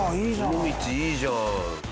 尾道いいじゃん。